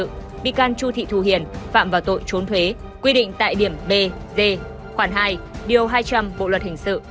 các bị can chu thị thu hiền phạm vào tội trốn thuế quy định tại điểm bzde khoảng hai hai trăm linh bộ luật hình sự